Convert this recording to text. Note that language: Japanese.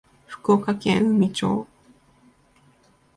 福岡県宇美町